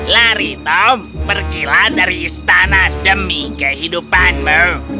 lari tom pergilah dari istana demi kehidupanmu